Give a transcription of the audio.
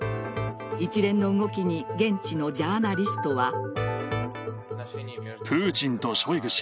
一連の動きに現地のジャーナリストは。